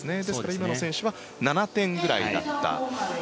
今の選手は７点ぐらいだったと。